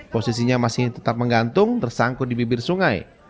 posisinya masih tetap menggantung tersangkut di bibir sungai